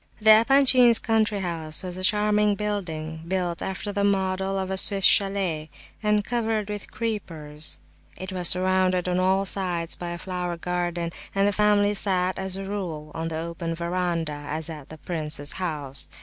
The Epanchins' country house was a charming building, built after the model of a Swiss chalet, and covered with creepers. It was surrounded on all sides by a flower garden, and the family sat, as a rule, on the open verandah as at the prince's house.